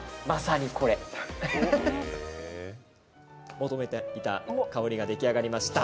求めていた香りが出来上がりました。